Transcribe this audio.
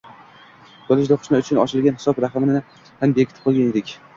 kollejda o‘qishi uchun ochilgan hisob raqamini ham biriktirib qo‘ygan edik.